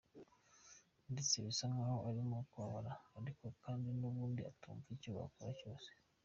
ndetse bisa nkaho arimo kubabara ariko kandi nubundi atumva icyo wakora cyose.